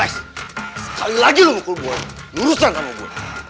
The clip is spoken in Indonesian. sekali lagi lu ngukul gue lurusan kamu gue